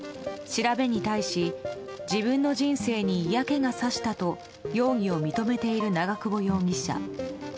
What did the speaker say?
調べに対し自分の人生に嫌気がさしたと容疑を認めている長久保容疑者。